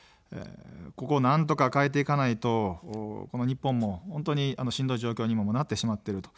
ここをなんとか変えていかないと日本も本当にしんどい状況にもなってしまってる。